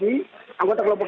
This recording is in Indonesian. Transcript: dari keterangan pak jokowi